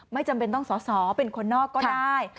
ไม่จำเป็นต้องสอสอเป็นคนนอกก็ได้